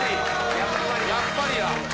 やっぱりだ。